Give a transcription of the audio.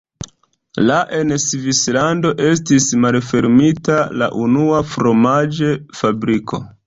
La en Svislando estis malfermita la unua fromaĝ-fabriko.